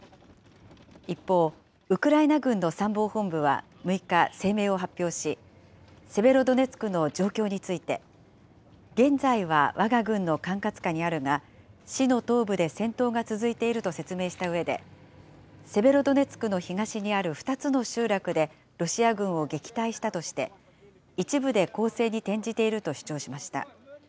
一方、ウクライナ軍の参謀本部は６日、声明を発表し、セベロドネツクの状況について、現在はわが軍の管轄下にあるが、市の東部で戦闘が続いていると説明したうえで、セベロドネツクの東にある２つの集落で、ロシア軍を撃退したとして、一部で攻勢に転じていると主張しました。